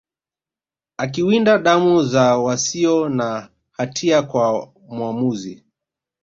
akiwinda damu za wasio na hatia kwa mwamuzi